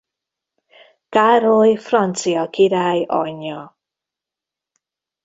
Károly francia király anyja.